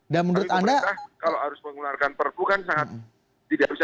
tapi kalau harus mengeluarkan pkpu kan sangat tidak bisa